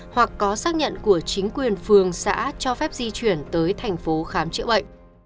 hoặc có xác nhận của chính quyền phường xã cho phép di chuyển tới thành phố khám chữa bệnh